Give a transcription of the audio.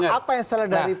apa yang salah